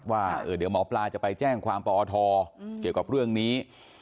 ว่าเดี๋ยวหมอปลาจะไปแจ้งความปอทเกี่ยวกับเรื่องนี้